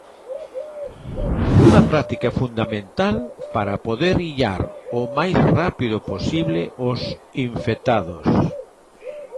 Unha práctica fundamental para poder illar o máis rápido posible os infectados.